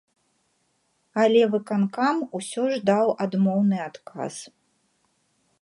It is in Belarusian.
Але выканкам усё ж даў адмоўны адказ.